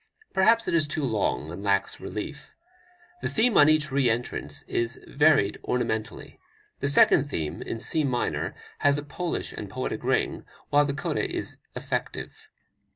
Perhaps it is too long and lacks relief. The theme on each re entrance is varied ornamentally. The second theme, in C minor, has a Polish and poetic ring, while the coda is effective.